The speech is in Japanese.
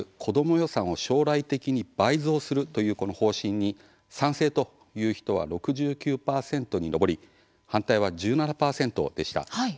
予算を将来的に倍増するというこの方針に賛成という人は６９％に上り反対は１７％でした。